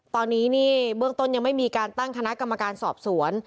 ตอนนี้นี่เบื้องต้นยังไม่มีการตั้งคณะกรรมการสอบสวน